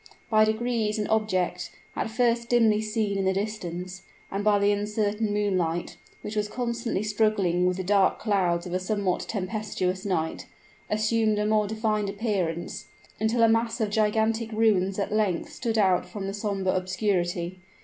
By degrees an object, at first dimly seen in the distance, and by the uncertain moonlight, which was constantly struggling with the dark clouds of a somewhat tempestuous night, assumed a more defined appearance, until a mass of gigantic ruins at length stood out from the somber obscurity.